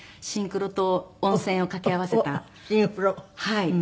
はい。